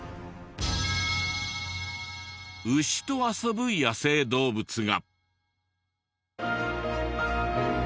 牛と遊ぶ野生動物が。